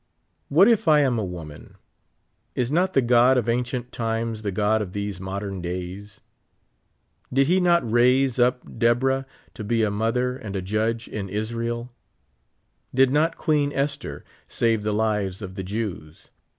What if I am a woman ; is not the God of ancient times the God of these modern days ? Did he not raise up Deborah to be a mother and a judge in Israel ? Did not Queen Esther save the lives of the Jews